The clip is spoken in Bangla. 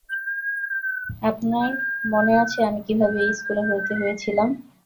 আপনার মনে আছে আমি কিভাবে এই স্কুলে ভর্তি হয়েছিলাম?